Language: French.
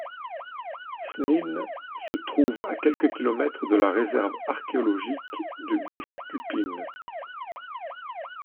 Żnin se trouve à quelques kilomètres de la réserve archéologique de Biskupin.